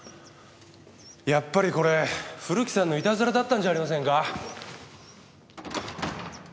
やっぱりこれ古木さんのいたずらだったんじゃありませんか？